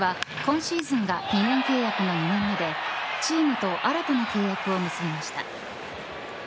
大谷選手は今シーズンが２年契約の２年目でチームと新たな契約を結びました。